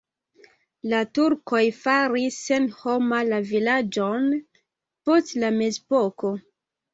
La turkoj faris senhoma la vilaĝon post la mezepoko.